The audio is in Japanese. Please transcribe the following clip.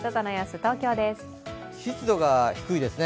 湿度が低いですね。